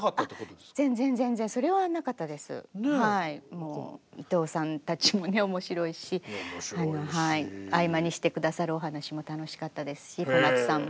もう伊東さんたちもね面白いし合間にして下さるお話も楽しかったですし小松さんも。